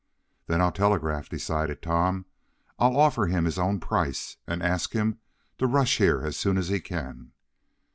"Then I'll telegraph," decided Tom. "I'll offer him his own price, and ask him to rush here as soon as he can."